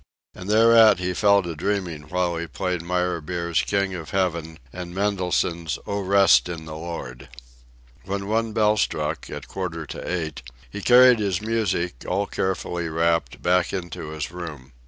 And thereat he fell to dreaming while he played Meyerbeer's "King of Heaven," and Mendelssohn's "O Rest in the Lord." When one bell struck, at quarter to eight, he carried his music, all carefully wrapped, back into his room.